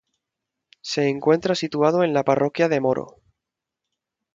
Se encuentra situado en la parroquia de Moro.